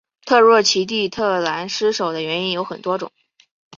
特诺奇蒂特兰失守的原因有多种。